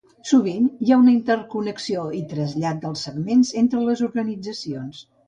Sovint hi ha una interconnexió i trasllat dels segments entre les organitzacions.